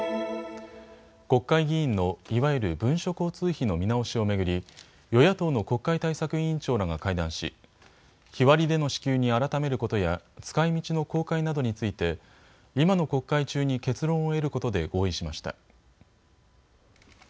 国会議員のいわゆる文書交通費の見直しを巡り、与野党の国会対策委員長らが会談し日割りでの支給に改めることや使いみちの公開などについて今の国会中に結論を得ることで合意しました。